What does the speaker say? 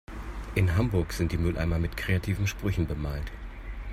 In Hamburg sind die Mülleimer mit kreativen Sprüchen bemalt.